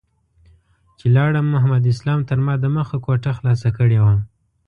چې لاړم محمد اسلام تر ما دمخه کوټه خلاصه کړې وه.